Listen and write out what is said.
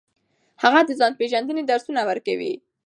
هغه د ځان پیژندنې درسونه ورکوي.